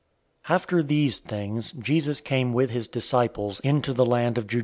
003:022 After these things, Jesus came with his disciples into the land of Judea.